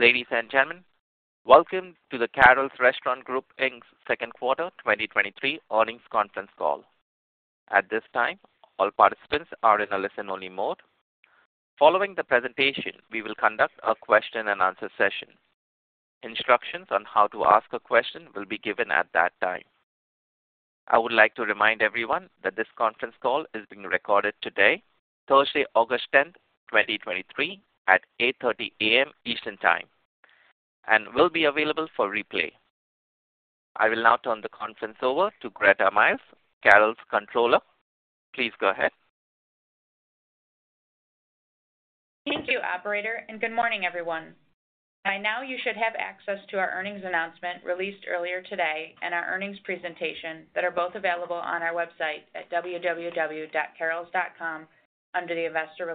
Ladies and gentlemen, welcome to the Carrols Restaurant Group Inc.'s Second Quarter 2023 Earnings Conference Call. At this time, all participants are in a listen-only mode. Following the presentation, we will conduct a question-and-answer session. Instructions on how to ask a question will be given at that time. I would like to remind everyone that this conference call is being recorded today, Thursday, August 10th, 2023, at 8:30 A.M. Eastern Time, and will be available for replay. I will now turn the conference over to Gretta Miles, Carrols' Controller. Please go ahead. Thank you, operator, and good morning, everyone. By now, you should have access to our earnings announcement, released earlier today, and our earnings presentation that are both available on our website at www.carrols.com, under the Investor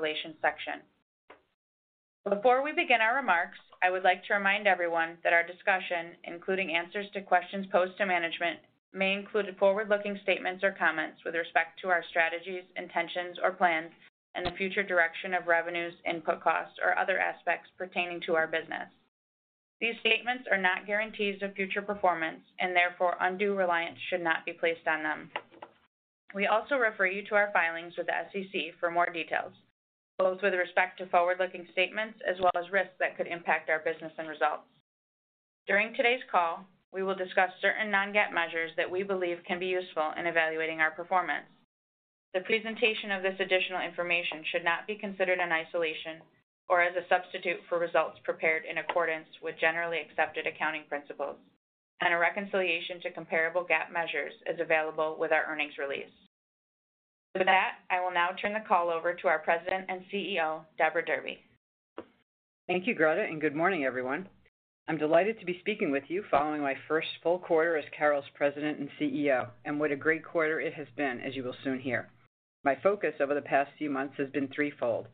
Relations section. Before we begin our remarks, I would like to remind everyone that our discussion, including answers-to-questions posed to management, may include forward-looking statements or comments with respect to our strategies, intentions, or plans, and the future direction of revenues, input costs, or other aspects pertaining to our business. We also refer you to our filings with the SEC for more details, both with respect to forward-looking statements as well as risks that could impact our business and results. During today's call, we will discuss certain non-GAAP measures that we believe can be useful in evaluating our performance. The presentation of this additional information should not be considered in isolation or as a substitute for results prepared in accordance with generally accepted accounting principles, and a reconciliation to comparable GAAP measures is available with our earnings release. With that, I will now turn the call over to our President and CEO, Deborah Derby. Thank you, Gretta, and good morning, everyone. I'm delighted to be speaking with you following my first full quarter as Carrols President and CEO, and what a great quarter it has been, as you will soon hear. My focus over the past few months has been threefold.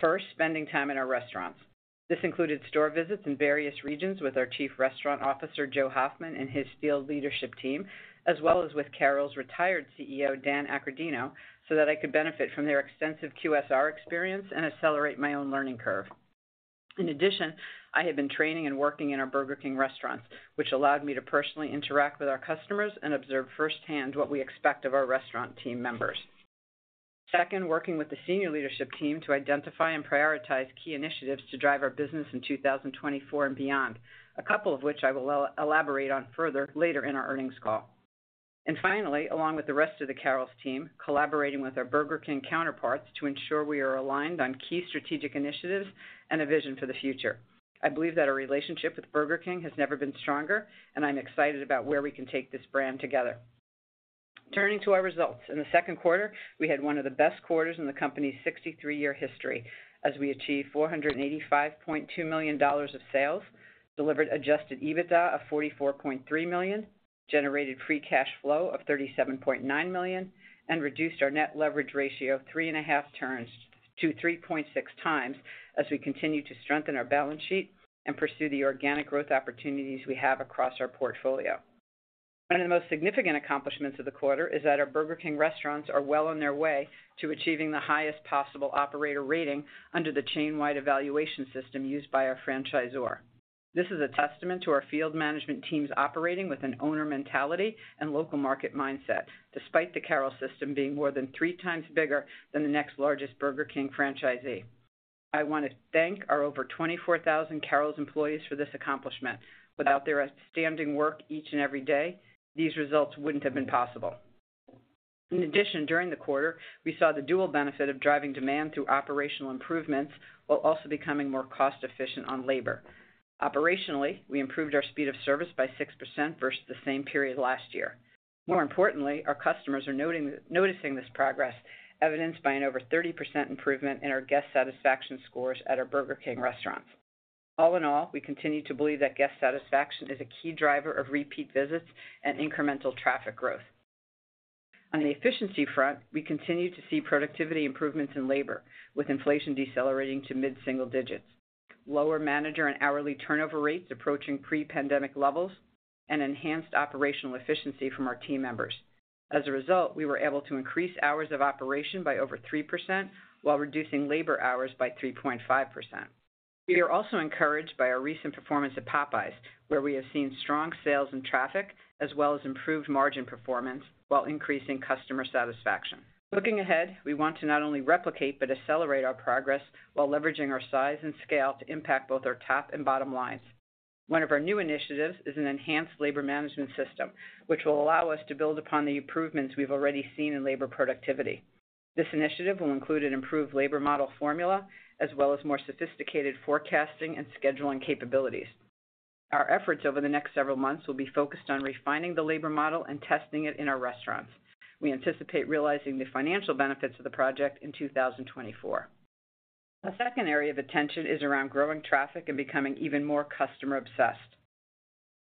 First, spending time in our restaurants. This included store visits in various regions with our Chief Restaurant Officer, Joe Hoffman, and his field leadership team, as well as with Carrols' retired CEO, Dan Accordino, so that I could benefit from their extensive QSR experience and accelerate my own learning curve. In addition, I have been training and working in our Burger King restaurants, which allowed me to personally interact with our customers and observe firsthand what we expect of our restaurant team members. Second, working with the senior leadership team to identify and prioritize key initiatives to drive our business in 2024 and beyond, a couple of which I will elaborate on further later in our earnings call. Finally, along with the rest of the Carrols team, collaborating with our Burger King counterparts to ensure we are aligned on key strategic initiatives and a vision for the future. I believe that our relationship with Burger King has never been stronger, and I'm excited about where we can take this brand together. Turning to our results. In the second quarter, we had one of the best quarters in the company's 63-year history, as we achieved $485.2 million of sales, delivered adjusted EBITDA of $44.3 million, generated free cash flow of $37.9 million, and reduced our net leverage ratio 3.5x-3.6x, as we continue to strengthen our balance sheet and pursue the organic growth opportunities we have across our portfolio. One of the most significant accomplishments of the quarter is that our Burger King restaurants are well on their way to achieving the highest possible operator rating under the chain-wide evaluation system used by our franchisor. This is a testament to our field management teams operating with an owner mentality and local market mindset, despite the Carrols system being more than 3x bigger than the next largest Burger King franchisee. I want to thank our over 24,000 Carrols employees for this accomplishment. Without their outstanding work each and every day, these results wouldn't have been possible. In addition, during the quarter, we saw the dual benefit of driving demand through operational improvements while also becoming more cost-efficient on labor. Operationally, we improved our speed of service by 6% versus the same period last year. More importantly, our customers are noticing this progress, evidenced by an over 30% improvement in our guest satisfaction scores at our Burger King restaurants. All in all, we continue to believe that guest satisfaction is a key driver of repeat visits and incremental traffic growth. On the efficiency front, we continue to see productivity improvements in labor, with inflation decelerating to mid-single digits, lower manager and hourly turnover rates approaching pre-pandemic levels, and enhanced operational efficiency from our team members. As a result, we were able to increase hours of operation by over 3% while reducing labor hours by 3.5%. We are also encouraged by our recent performance at Popeyes, where we have seen strong sales and traffic, as well as improved margin performance while increasing customer satisfaction. Looking ahead, we want to not only replicate but accelerate our progress while leveraging our size and scale to impact both our top and bottom lines. One of our new initiatives is an enhanced labor management system, which will allow us to build upon the improvements we've already seen in labor productivity. This initiative will include an improved labor model formula, as well as more sophisticated forecasting and scheduling capabilities. Our efforts over the next several months will be focused on refining the labor model and testing it in our restaurants. We anticipate realizing the financial benefits of the project in 2024. A second area of attention is around growing traffic and becoming even more customer-obsessed.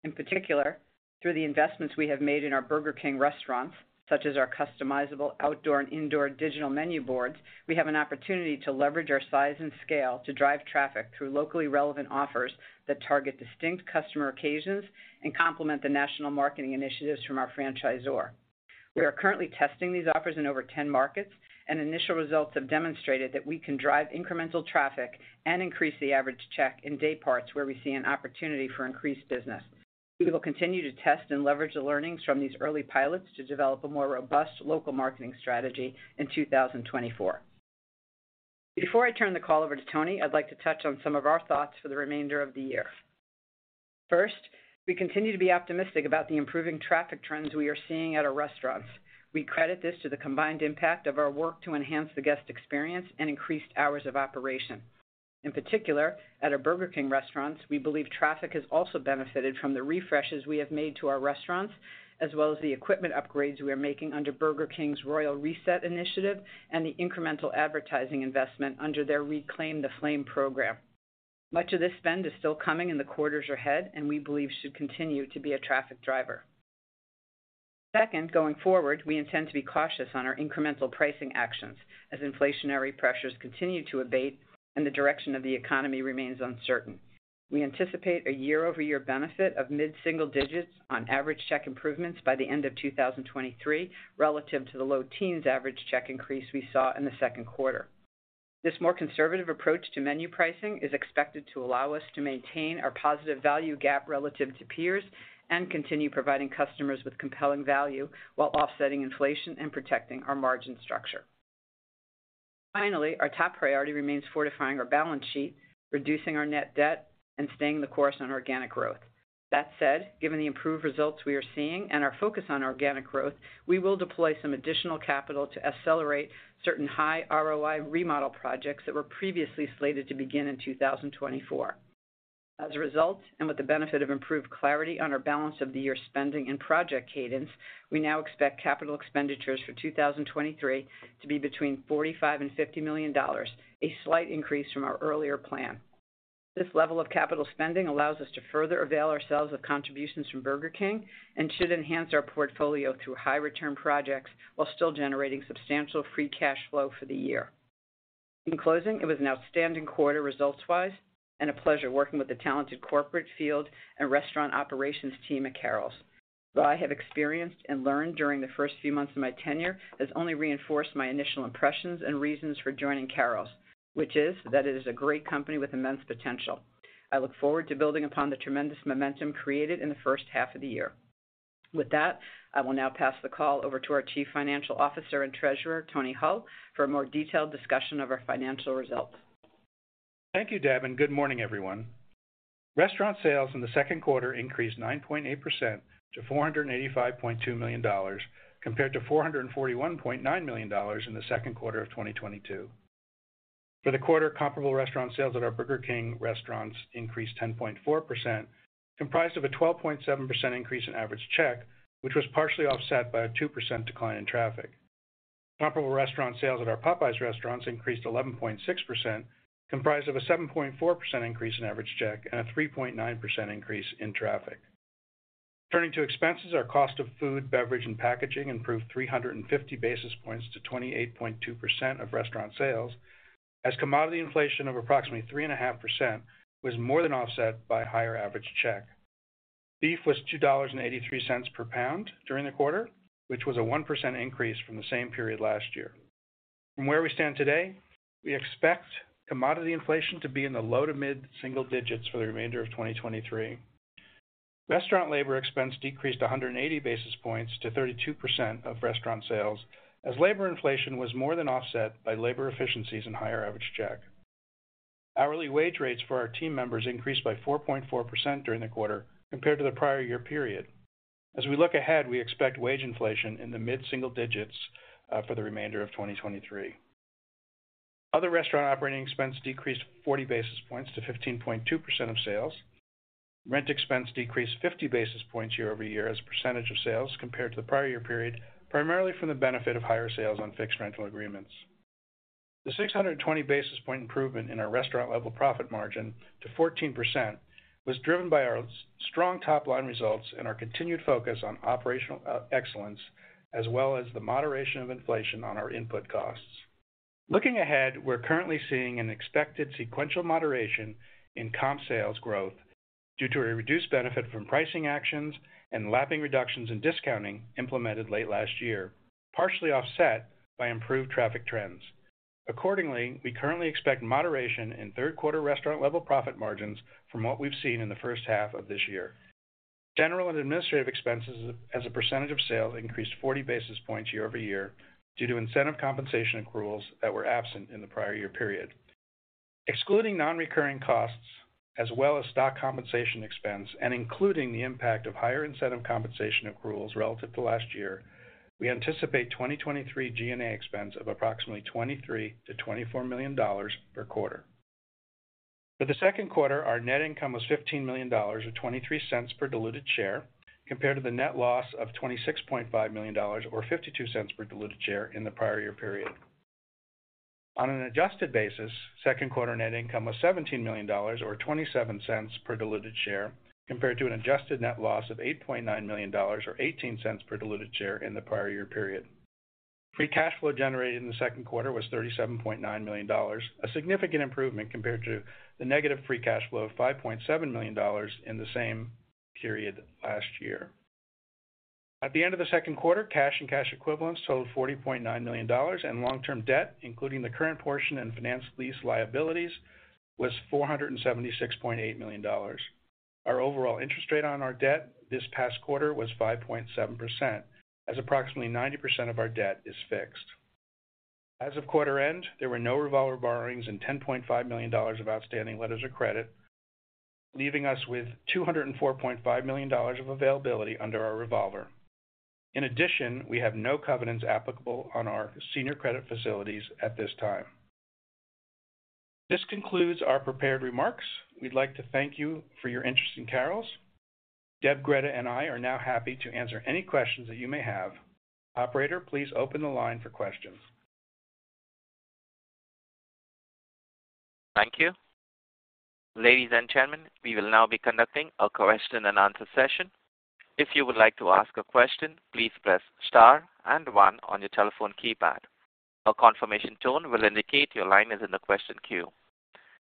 In particular, through the investments we have made in our Burger King restaurants, such as our customizable outdoor and indoor digital menu boards, we have an opportunity to leverage our size and scale to drive traffic through locally relevant offers that target distinct customer occasions and complement the national marketing initiatives from our franchisor. We are currently testing these offers in over 10 markets, initial results have demonstrated that we can drive incremental traffic and increase the average check in day parts where we see an opportunity for increased business. We will continue to test and leverage the learnings from these early pilots to develop a more robust local marketing strategy in 2024. Before I turn the call over to Tony, I'd like to touch on some of our thoughts for the remainder of the year. First, we continue to be optimistic about the improving traffic trends we are seeing at our restaurants. We credit this to the combined impact of our work to enhance the guest experience and increased hours of operation. In particular, at our Burger King restaurants, we believe traffic has also benefited from the refreshes we have made to our restaurants, as well as the equipment upgrades we are making under Burger King's Royal Reset initiative and the incremental advertising investment under their Reclaim the Flame program. Much of this spend is still coming in the quarters ahead and we believe should continue to be a traffic driver. Second, going forward, we intend to be cautious on our incremental pricing actions as inflationary pressures continue to abate and the direction of the economy remains uncertain. We anticipate a year-over-year benefit of mid-single digits on average check improvements by the end of 2023, relative to the low teens average check increase we saw in the second quarter. This more conservative approach to menu pricing is expected to allow us to maintain our positive value gap relative to peers and continue providing customers with compelling value, while offsetting inflation and protecting our margin structure. Finally, our top priority remains fortifying our balance sheet, reducing our net debt, and staying the course on organic growth. That said, given the improved results we are seeing and our focus on organic growth, we will deploy some additional capital to accelerate certain high ROI remodel projects that were previously slated to begin in 2024. As a result, and with the benefit of improved clarity on our balance of the year spending and project cadence, we now expect capital expenditures for 2023 to be between $45 million-$50 million, a slight increase from our earlier plan. This level of capital spending allows us to further avail ourselves of contributions from Burger King and should enhance our portfolio through high return projects, while still generating substantial free cash flow for the year. In closing, it was an outstanding quarter results-wise, and a pleasure working with the talented corporate, field, and restaurant operations team at Carrols. What I have experienced and learned during the first few months of my tenure has only reinforced my initial impressions and reasons for joining Carrols, which is that it is a great company with immense potential. I look forward to building upon the tremendous momentum created in the first half of the year. With that, I will now pass the call over to our Chief Financial Officer and Treasurer, Tony Hull, for a more detailed discussion of our financial results. Thank you, Deb, and good morning, everyone. Restaurant sales in the second quarter increased 9.8% to $485.2 million, compared to $441.9 million in the second quarter of 2022. For the quarter, comparable restaurant sales at our Burger King restaurants increased 10.4%, comprised of a 12.7% increase in average check, which was partially offset by a 2% decline in traffic. Comparable restaurant sales at our Popeyes restaurants increased 11.6%, comprised of a 7.4% increase in average check and a 3.9% increase in traffic. Turning to expenses, our cost of food, beverage, and packaging improved 350 basis points to 28.2% of restaurant sales, as commodity inflation of approximately 3.5% was more than offset by higher average check. Beef was $2.83 per pound during the quarter, which was a 1% increase from the same period last year. From where we stand today, we expect commodity inflation to be in the low to mid single digits for the remainder of 2023. Restaurant labor expense decreased 180 basis points to 32% of restaurant sales, as labor inflation was more than offset by labor efficiencies and higher average check. Hourly wage rates for our team members increased by 4.4% during the quarter compared to the prior year period. As we look ahead, we expect wage inflation in the mid-single digits for the remainder of 2023. Other restaurant operating expenses decreased 40 basis points to 15.2% of sales. Rent expense decreased 50 basis points year-over-year as a % of sales compared to the prior year period, primarily from the benefit of higher sales on fixed rental agreements. The 620 basis point improvement in our restaurant-level profit margin to 14% was driven by our strong top-line results and our continued focus on operational excellence, as well as the moderation of inflation on our input costs. Looking ahead, we're currently seeing an expected sequential moderation in comp sales growth due to a reduced benefit from pricing actions and lapping reductions in discounting implemented late last year, partially offset by improved traffic trends. Accordingly, we currently expect moderation in third quarter restaurant-level profit margins from what we've seen in the first half of this year. General and administrative expenses as a percentage of sales increased 40 basis points year-over-year due to incentive compensation accruals that were absent in the prior year period. Excluding non-recurring costs, as well as stock compensation expense and including the impact of higher incentive compensation accruals relative to last year, we anticipate 2023 G&A expense of approximately $23 million-$24 million per quarter. For the second quarter, our net income was $15 million, or $0.23 per diluted share, compared to the net loss of $26.5 million, or $0.52 per diluted share in the prior year period. On an adjusted basis, second quarter net income was $17 million or $0.27 per diluted share, compared to an adjusted net loss of $8.9 million or $0.18 per diluted share in the prior year period. Free cash flow generated in the second quarter was $37.9 million, a significant improvement compared to the negative free cash flow of $5.7 million in the same period last year. At the end of the second quarter, cash and cash equivalents totaled $40.9 million, and long-term debt, including the current portion and finance lease liabilities, was $476.8 million. Our overall interest rate on our debt this past quarter was 5.7%, as approximately 90% of our debt is fixed. As of quarter end, there were no revolver borrowings and $10.5 million of outstanding letters of credit, leaving us with $204.5 million of availability under our revolver. In addition, we have no covenants applicable on our senior credit facilities at this time. This concludes our prepared remarks. We'd like to thank you for your interest in Carrols. Deb, Gretta, and I are now happy to answer any questions that you may have. Operator, please open the line for questions. Thank you. Ladies and gentlemen, we will now be conducting a question and answer session. If you would like to ask a question, please press star and one on your telephone keypad. A confirmation tone will indicate your line is in the question queue.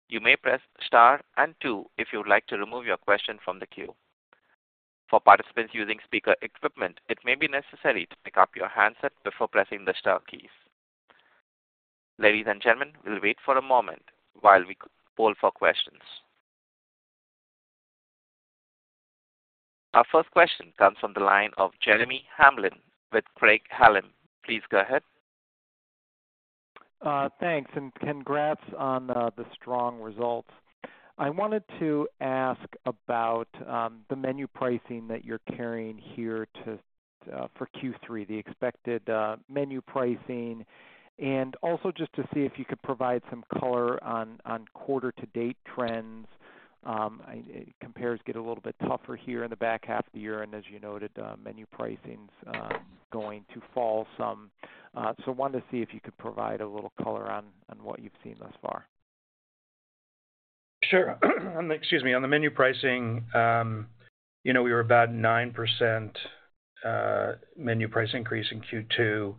You may press star and two if you would like to remove your question from the queue. For participants using speaker equipment, it may be necessary to pick up your handset before pressing the star keys. Ladies and gentlemen, we'll wait for a moment while we pull for questions. Our first question comes from the line of Jeremy Hamblin with Craig-Hallum. Please go ahead. Thanks, congrats on the strong results. I wanted to ask about the menu pricing that you're carrying here to for Q3, the expected menu pricing, and also just to see if you could provide some color on quarter-to-date trends. Compares get a little bit tougher here in the back half of the year, as you noted, menu pricing's going to fall some. Wanted to see if you could provide a little color on what you've seen thus far. Sure. Excuse me. On the menu pricing, you know, we were about 9% menu price increase in Q2,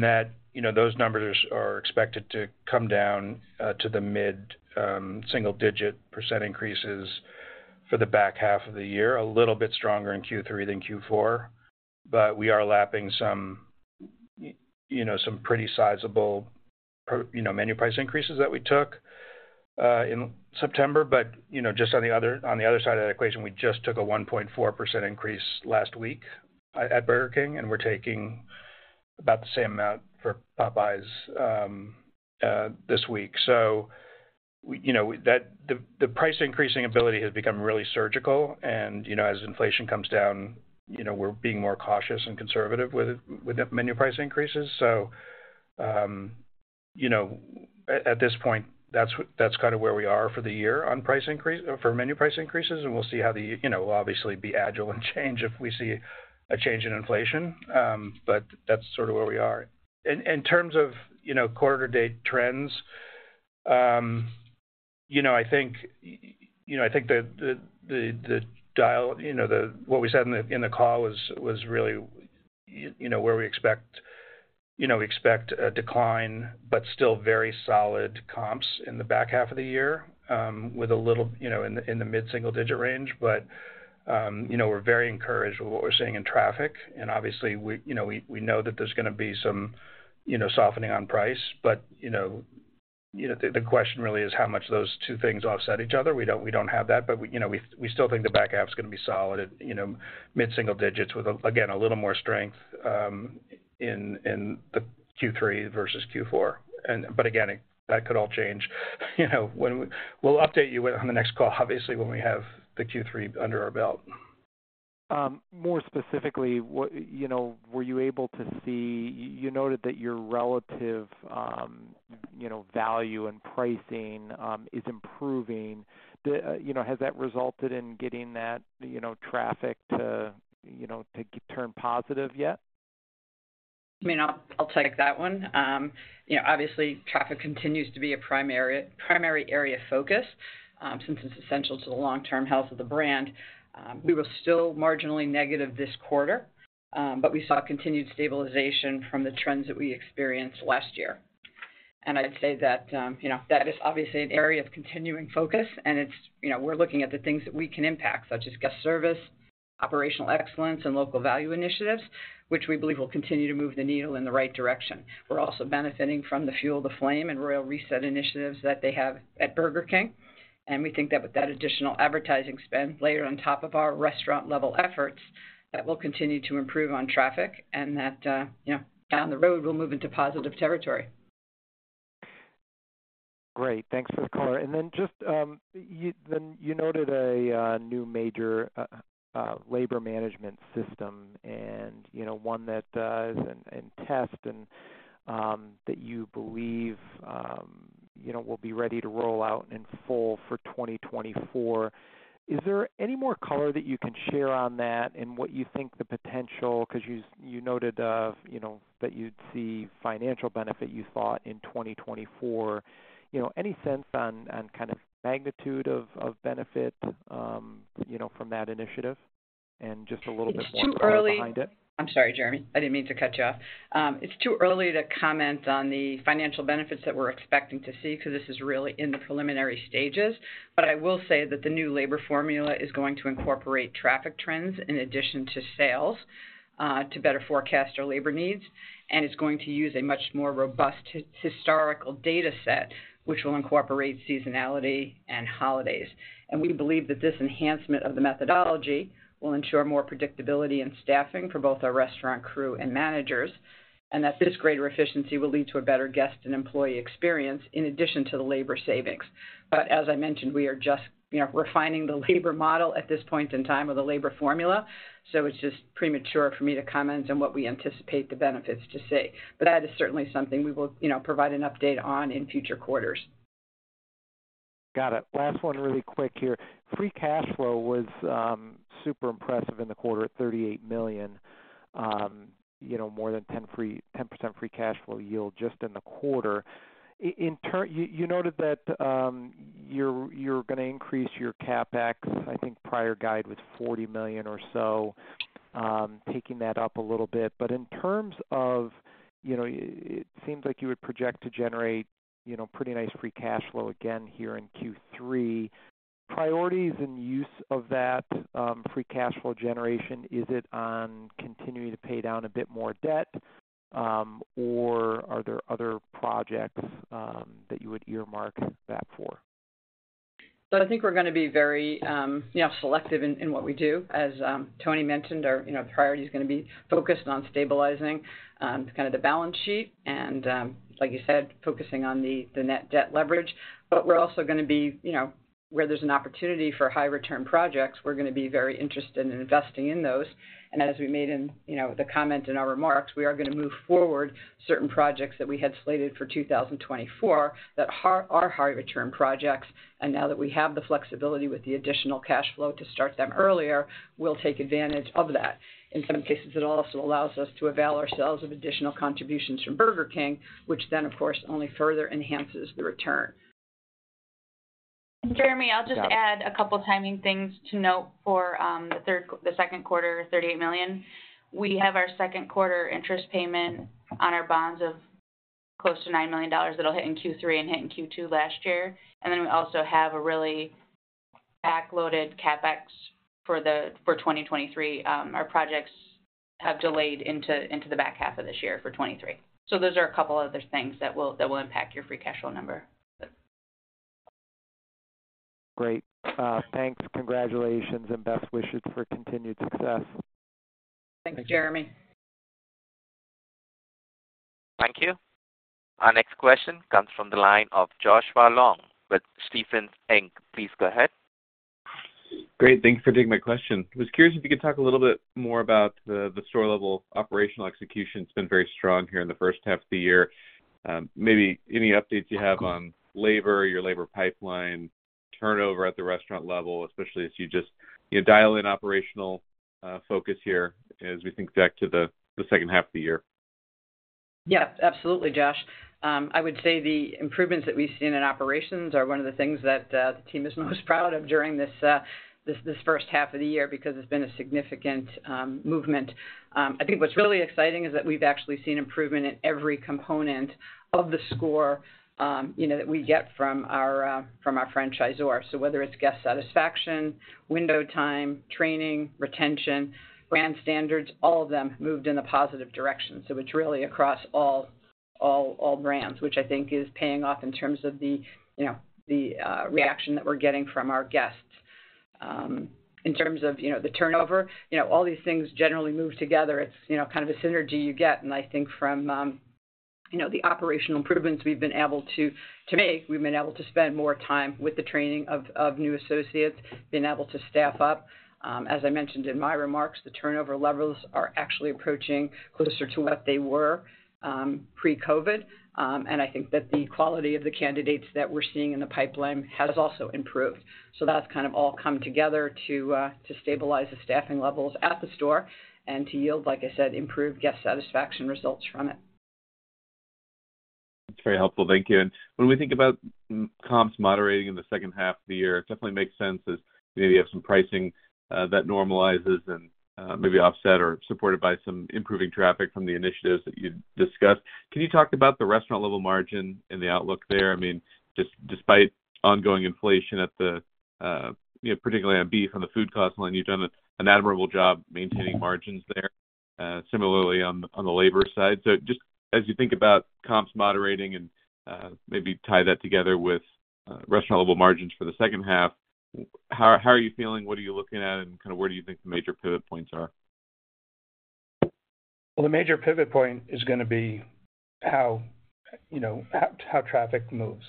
that those numbers are expected to come down to the mid single digit % increases for the back half of the year, a little bit stronger in Q3 than Q4. We are lapping some pretty sizable, you know, menu price increases that we took in September. You know, just on the other, on the other side of that equation, we just took a 1.4% increase last week at Burger King, and we're taking about the same amount for Popeyes this week. We that the price increasing ability has become really surgical and, you know, as inflation comes down, you know, we're being more cautious and conservative with, with the menu price increases. You know, at, at this point, that's, that's kind of where we are for the year for menu price increases, and we'll see how the obviously, be agile and change if we see a change in inflation. That's sort of where we are. In, in terms of, you know, quarter-to-date trends, you know, I think the dial what we said in the, in the call was, was really, you know, where we expect. We expect a decline, but still very solid comps in the back half of the year, with a little in the mid-single-digit range. You know, we're very encouraged with what we're seeing in traffic, and obviously, we, you know, we, we know that there's gonna be some, you know, softening on price. You know, the, the question really is how much those two things offset each other. We don't, we don't have that, but, we, you know, we, we still think the back half is gonna be solid at, you know, mid-single digits with, again, a little more strength, in, in the Q3 versus Q4. Again, that could all change. We'll update you on the next call, obviously, when we have the Q3 under our belt. More specifically, what, you know, were you able to see? You noted that your relative, you know, value and pricing, is improving. Do you know, has that resulted in getting that, you know, traffic to, you know, to turn positive yet? I mean, I'll, I'll take that one. You know, obviously, traffic continues to be a primary, primary area of focus, since it's essential to the long-term health of the brand. We were still marginally negative this quarter, but we saw continued stabilization from the trends that we experienced last year. And I'd say that, you know, that is obviously an area of continuing focus, and it's, you know, we're looking at the things that we can impact, such as guest service, operational excellence, and local value initiatives, which we believe will continue to move the needle in the right direction. We're also benefiting from the Reclaim the Flame and Royal Reset initiatives that they have at Burger King. We think that with that additional advertising spend layered on top of our restaurant-level efforts, that will continue to improve on traffic and that, you know, down the road, we'll move into positive territory. Great. Thanks for the color. Just, you, then you noted a new major labor management system and that you believe, you know, will be ready to roll out in full for 2024. Is there any more color that you can share on that and what you think the potential... Because you, you noted, you know, that you'd see financial benefit, you thought, in 2024. You know, any sense on, on kind of magnitude of, of benefit, you know, from that initiative?... and just a little bit more color behind it. It's too early. I'm sorry, Jeremy, I didn't mean to cut you off. It's too early to comment on the financial benefits that we're expecting to see, because this is really in the preliminary stages. I will say that the new labor formula is going to incorporate traffic trends in addition to sales, to better forecast our labor needs. It's going to use a much more robust historical data set, which will incorporate seasonality and holidays. We believe that this enhancement of the methodology will ensure more predictability in staffing for both our restaurant crew and managers, and that this greater efficiency will lead to a better guest and employee experience in addition to the labor savings. As I mentioned, we are just refining the labor model at this point in time or the labor formula, so it's just premature for me to comment on what we anticipate the benefits to see. That is certainly something we will, you know, provide an update on in future quarters. Got it. Last one, really quick here. Free cash flow was super impressive in the quarter at $38 million, you know, more than 10% free cash flow yield just in the quarter. You, you noted that you're, you're going to increase your CapEx. I think prior guide was $40 million or so, taking that up a little bit. In terms of, you know, it seems like you would project to generate, you know, pretty nice free cash flow again here in Q3. Priorities and use of that free cash flow generation, is it on continuing to pay down a bit more debt, or are there other projects that you would earmark that for? I think we're going to be very, you know, selective in, in what we do. As Tony mentioned, our priority is going to be focused on stabilizing, kind of the balance sheet and, like you said, focusing on the, the net debt leverage. We're also going to be, you know, where there's an opportunity for high return projects, we're going to be very interested in investing in those. As we made in, you know, the comment in our remarks, we are going to move forward certain projects that we had slated for 2024 that are high return projects. Now that we have the flexibility with the additional cash flow to start them earlier, we'll take advantage of that. In some cases, it also allows us to avail ourselves of additional contributions from Burger King, which then, of course, only further enhances the return. Jeremy, I'll just add a couple timing things to note for the second quarter, $38 million. We have our second quarter interest payment on our bonds of close to $9 million that'll hit in Q3 and hit in Q2 last year. We also have a really backloaded CapEx for 2023. Our projects have delayed into, into the back half of this year for 2023. Those are a couple other things that will, that will impact your free cash flow number. Great. Thanks, congratulations, and best wishes for continued success. Thanks, Jeremy. Thank you. Our next question comes from the line of Joshua Long with Stephens Inc. Please go ahead. Great, thank you for taking my question. I was curious if you could talk a little bit more about the, the store-level operational execution. It's been very strong here in the 1st half of the year. Maybe any updates you have on labor, your labor pipeline, turnover at the restaurant level, especially as you just, you dial in operational focus here as we think back to the, the seconf half of the year. Yeah, absolutely, Josh. I would say the improvements that we've seen in operations are one of the things that the team is most proud of during this, this, this first half of the year, because it's been a significant movement. I think what's really exciting is that we've actually seen improvement in every component of the score, you know, that we get from our from our franchisor. Whether it's guest satisfaction, window time, training, retention, brand standards, all of them moved in a positive direction. It's really across all, all, all brands, which I think is paying off in terms of the, you know, the reaction that we're getting from our guests. In terms of the turnover all these things generally move together. It's, you know, kind of a synergy you get. I think from, you know, the operational improvements we've been able to, to make, we've been able to spend more time with the training of, of new associates, been able to staff up. As I mentioned in my remarks, the turnover levels are actually approaching closer to what they were pre-COVID. I think that the quality of the candidates that we're seeing in the pipeline has also improved. That's kind of all come together to stabilize the staffing levels at the store and to yield, like I said, improved guest satisfaction results from it. That's very helpful. Thank you. When we think about comps moderating in the second half of the year, it definitely makes sense as maybe you have some pricing that normalizes and maybe offset or supported by some improving traffic from the initiatives that you'd discussed. Can you talk about the restaurant-level margin and the outlook there? I mean, just despite ongoing inflation at the, you know, particularly on beef, on the food cost line, you've done an admirable job maintaining margins there, similarly on, on the labor side. Just as you think about comps moderating and maybe tie that together with restaurant-level margins for the second half, how, how are you feeling? What are you looking at, and kind of where do you think the major pivot points are? The major pivot point is going to be how traffic moves.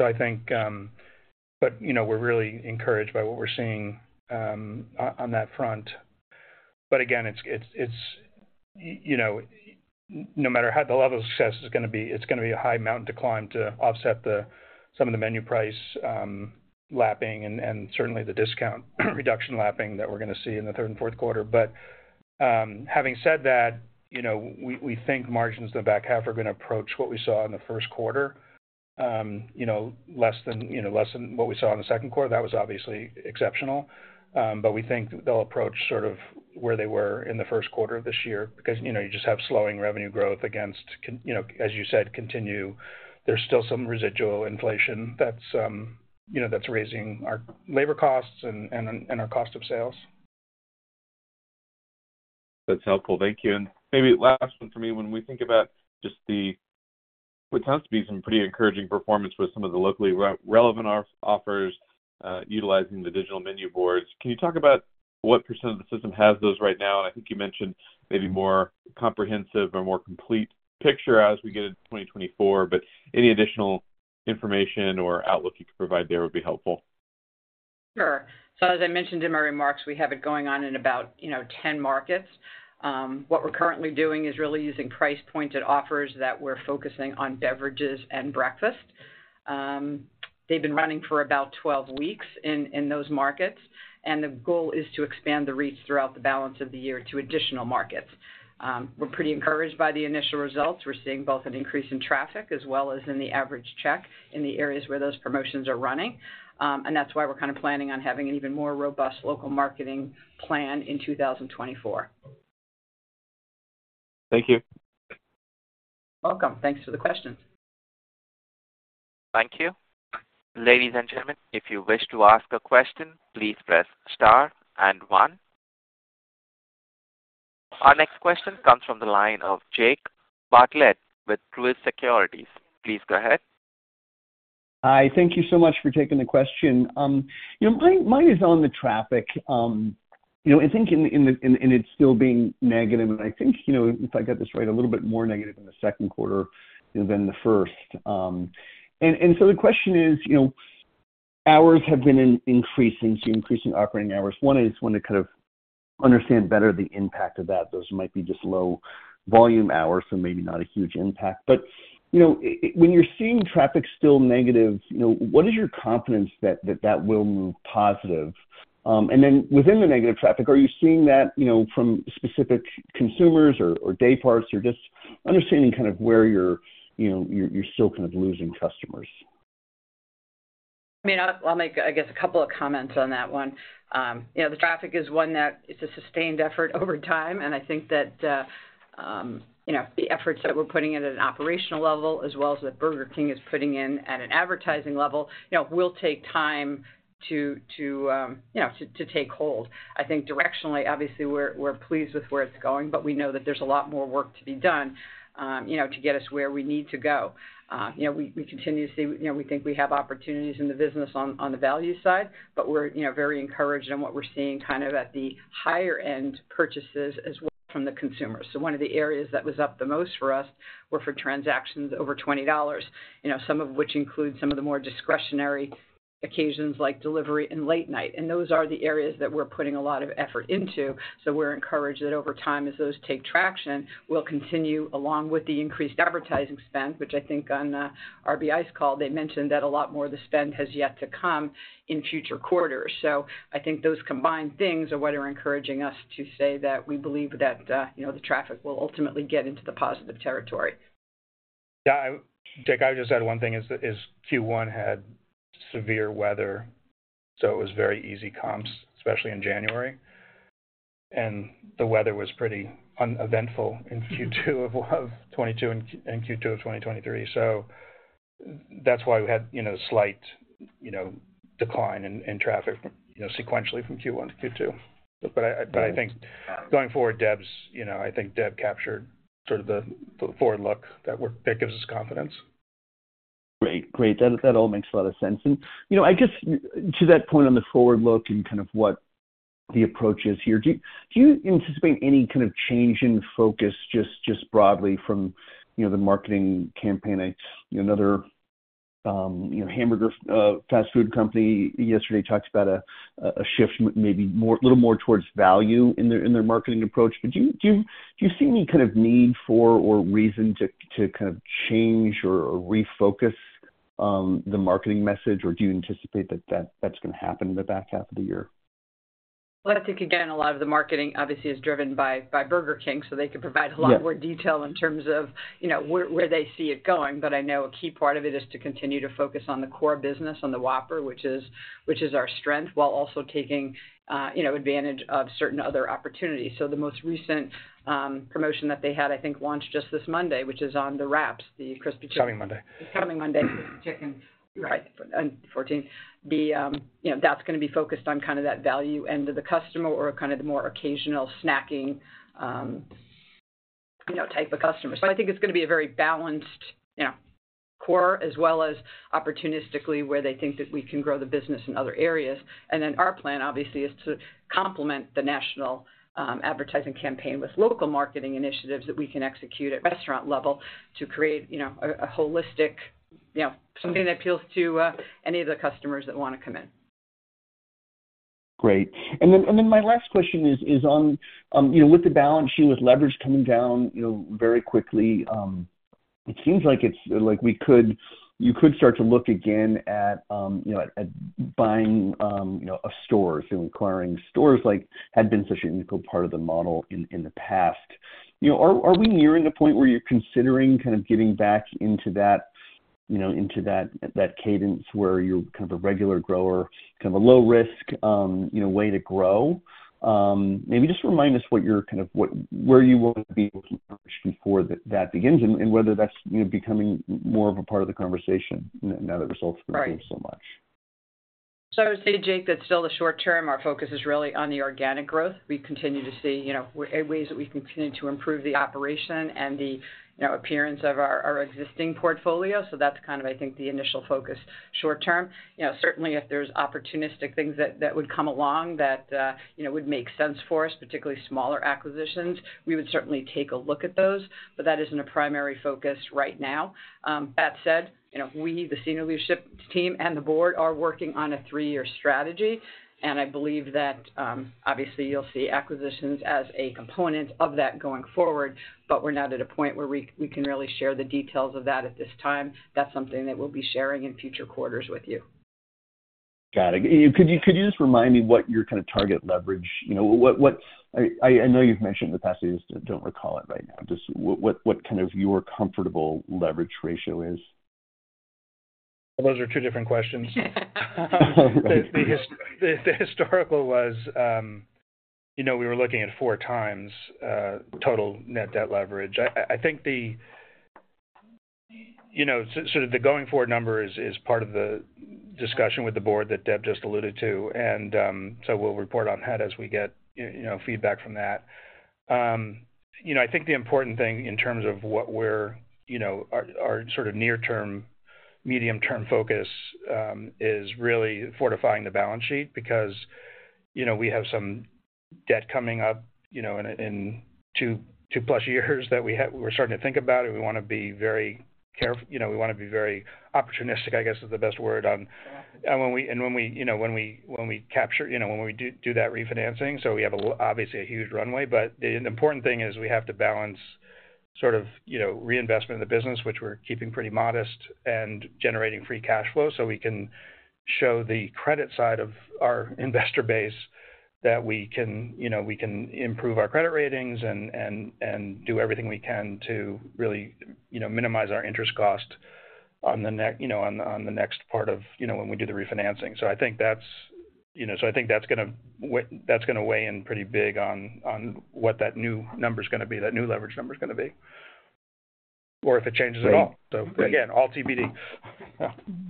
I think, you know, we're really encouraged by what we're seeing on that front. Again, it's, it's, it's, you know, no matter how the level of success is going to be, it's going to be a high mountain to climb to offset the, some of the menu price lapping and, and certainly the discount reduction lapping that we're going to see in the third and fourth quarter. Having said that, you know, we, we think margins in the back half are going to approach what we saw in the first quarter. you know, less than, you know, less than what we saw in the second quarter. That was obviously exceptional. We think they'll approach sort of where they were in the first quarter of this year because, you know, you just have slowing revenue growth against you know, as you said, continue. There's still some residual inflation that's, you know, that's raising our labor costs and, and, and our cost of sales. That's helpful. Thank you. Maybe last one for me. When we think about just the, what tends to be some pretty encouraging performance with some of the locally relevant offers, utilizing the digital menu boards, can you talk about what percent of the system has those right now? I think you mentioned maybe more comprehensive or more complete picture as we get into 2024, but any additional information or outlook you could provide there would be helpful. Sure. As I mentioned in my remarks, we have it going on in about, you know, 10 markets. What we're currently doing is really using price pointed offers that we're focusing on beverages and breakfast. They've been running for about 12 weeks in, in those markets, and the goal is to expand the reach throughout the balance of the year to additional markets. We're pretty encouraged by the initial results. We're seeing both an increase in traffic as well as in the average check in the areas where those promotions are running. That's why we're kind of planning on having an even more robust local marketing plan in 2024. Thank you. Welcome. Thanks for the questions. Thank you. Ladies and gentlemen, if you wish to ask a question, please press Star and One. Our next question comes from the line of Jake Bartlett with Truist Securities. Please go ahead. Hi, thank you so much for taking the question. You know, mine, mine is on the traffic. You know, I think in, and it's still being negative, and I think, you know, if I got this right, a little bit more negative in the second quarter than the first. So the question is, you know, hours have been increasing, so increasing operating hours. Want to kind of understand better the impact of that. Those might be just low volume hours, so maybe not a huge impact. You know, when you're seeing traffic still negative, you know, what is your confidence that, that will move positive? Then within the negative traffic, are you seeing that, you know, from specific consumers or, or day parts, or just understanding kind of where you're, you know, you're, you're still kind of losing customers? I mean, I'll, I'll make, I guess, a couple of comments on that one. You know, the traffic is one that it's a sustained effort over time, and I think that, you know, the efforts that we're putting in at an operational level as well as that Burger King is putting in at an advertising level, you know, will take time to, to, you know, to, to take hold. I think directionally, obviously, we're, we're pleased with where it's going, but we know that there's a lot more work to be done, you know, to get us where we need to go. You know, we, we continue to see. You know, we think we have opportunities in the business on, on the value side, but we're, you know, very encouraged on what we're seeing kind of at the higher end purchases as well from the consumers. One of the areas that was up the most for us were for transactions over $20, you know, some of which include some of the more discretionary occasions like delivery and late night. Those are the areas that we're putting a lot of effort into. We're encouraged that over time, as those take traction, we'll continue along with the increased advertising spend, which I think on RBI's call, they mentioned that a lot more of the spend has yet to come in future quarters. I think those combined things are what are encouraging us to say that we believe that, you know, the traffic will ultimately get into the positive territory. Yeah, Jake, I would just add one thing is, is Q1 had severe weather, it was very easy comps, especially in January. The weather was pretty uneventful in Q2 of 2022 and Q2 of 2023. That's why we had a slight, you know, decline in, in traffic, you know, sequentially from Q1-Q2. I, but I think going forward, Deb's, you know, I think Deb captured sort of the, the forward look that we're that gives us confidence. Great. Great. That, that all makes a lot of sense. You know, I guess to that point on the forward look and kind of what the approach is here, do you, do you anticipate any kind of change in focus, just, just broadly from, you know, the marketing campaign? Another, you know, hamburger fast food company yesterday talked about a, a shift, maybe more, a little more towards value in their, in their marketing approach. Do you, do you, do you see any kind of need for or reason to, to kind of change or, or refocus the marketing message, or do you anticipate that, that, that's going to happen in the back half of the year? Well, I think, again, a lot of the marketing obviously is driven by, by Burger King, so they could provide. Yeah A lot more detail in terms of, you know, where, where they see it going. I know a key part of it is to continue to focus on the core business, on the Whopper, which is, which is our strength, while also taking, you know, advantage of certain other opportunities. The most recent promotion that they had, I think, launched just this Monday, which is on the wraps, the crispy chicken. Coming Monday. It's coming Monday. Chicken, right, on fourteenth. The, you know, that's going to be focused on kind of that value end of the customer or kind of the more occasional snacking, you know, type of customer. I think it's going to be a very balanced, you know, core, as well as opportunistically, where they think that we can grow the business in other areas. Our plan, obviously, is to complement the national advertising campaign with local marketing initiatives that we can execute at restaurant level to create, you know, a, a holistic, you know, something that appeals to any of the customers that want to come in. Great. Then my last question is, is on, you know, with the balance sheet, with leverage coming down, you know, very quickly. It seems like it's, like we could, you could start to look again at, you know, at, at buying, you know, a store, so acquiring stores like had been such an integral part of the model in, in the past. You know, are, are we nearing the point where you're considering kind of getting back into that, you know, into that, that cadence where you're kind of a regular grower, kind of a low risk, you know, way to grow? Maybe just remind us what you're what, where you want to be before that, that begins and, and whether that's, you know, becoming more of a part of the conversation now that results improve so much. I would say, Jake, that's still the short term. Our focus is really on the organic growth. We continue to see, you know, ways that we continue to improve the operation and the, you know, appearance of our, our existing portfolio. That's kind of, I think, the initial focus short term. You know, certainly if there's opportunistic things that, that would come along that, you know, would make sense for us, particularly smaller acquisitions, we would certainly take a look at those, but that isn't a primary focus right now. That said, you know, we, the senior leadership team and the board, are working on a three-year strategy, and I believe that, obviously you'll see acquisitions as a component of that going forward, but we're not at a point where we, we can really share the details of that at this time. That's something that we'll be sharing in future quarters with you. Got it. Could you just remind me what your kind of target leverage, you know, I know you've mentioned in the past, I just don't recall it right now. Just what kind of your comfortable leverage ratio is? Those are two different questions. The, the historical was, you know, we were looking at 4x total net debt leverage. I, I, I think the, you know, so, so the going forward number is, is part of the discussion with the board that Deb just alluded to. So we'll report on that as we get, you know, feedback from that. You know, I think the important thing in terms of what we're, you know, our, our sort of near-term, medium-term focus, is really fortifying the balance sheet because, you know, we have some debt coming up, you know, in 2, 2+ years that we're starting to think about, and we wanna be very care. You know, we wanna be very opportunistic, I guess, is the best word and when we, and when we, you know, when we, when we capture, you know, when we do, do that refinancing. We have a obviously a huge runway, but the important thing is we have to balance sort of, you know, reinvestment in the business, which we're keeping pretty modest, and generating free cash flow, so we can show the credit side of our investor base that we can, you know, we can improve our credit ratings and, and, and do everything we can to really, you know, minimize our interest cost on the you know, on the, on the next part of, you know, when we do the refinancing. I think that's, you know, so I think that's gonna that's gonna weigh in pretty big on, on what that new number's gonna be, that new leverage number is gonna be, or if it changes at all. Again, all TBD.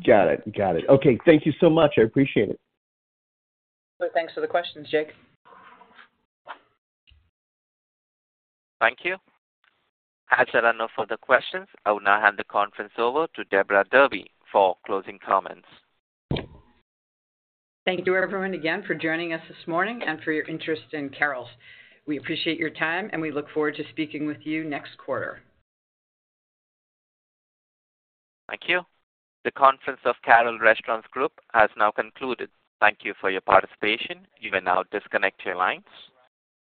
Got it. Got it. Okay, thank you so much. I appreciate it. Thanks for the questions, Jake. Thank you. As there are no further questions, I will now hand the conference over to Deborah Derby for closing comments. Thank you, everyone, again for joining us this morning and for your interest in Carrols. We appreciate your time, and we look forward to speaking with you next quarter. Thank you. The conference of Carrols Restaurant Group has now concluded. Thank you for your participation. You may now disconnect your lines.